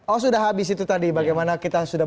oh sudah habis itu tadi bagaimana kita sudah